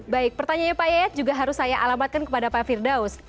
baik pertanyaannya pak yayat juga harus saya alamatkan kepada pak firdaus